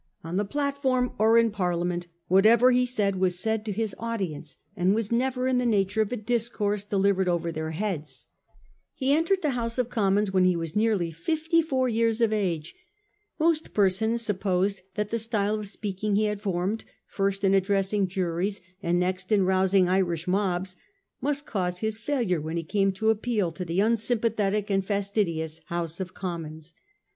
On the platform or in Parliament, whatever he said was said to his audience, and was never in the nature of a discourse delivered over their heads. He entered the House of Commons when he was nearly fifty four years of age. Most persons supposed that the style of speaking he had formed, first in addressing juries, and next in rousing Irish mobs, must cause his failure when he came to appeal to the unsympathetic and fastidious House of Commons.